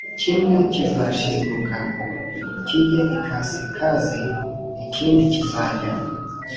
kimwe kizashinguka kijye ikasikazi ikindi kizajya